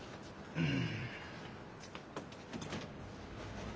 うん。